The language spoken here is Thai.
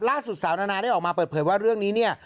สาวนานาได้ออกมาเปิดเผยว่าเรื่องนี้เนี่ย